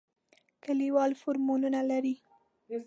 کلیوال فارمونه لري.